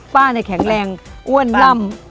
ป้าแข็งแรงอ้วนร่ำ